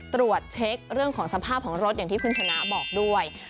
ตรวจเช็คเรื่องของสภาพของรถอย่างที่คุณชนะบอกด้วย